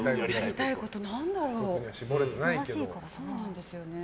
やりたいこと、何だろう。